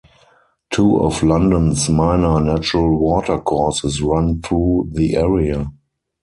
Two of London's minor natural water courses run through the area.